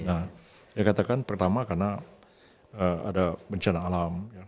nah saya katakan pertama karena ada bencana alam